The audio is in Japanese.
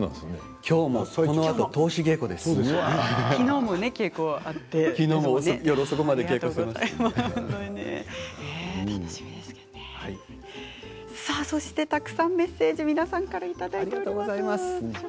今日もこのあとそしてたくさんメッセージ皆さんからいただいています。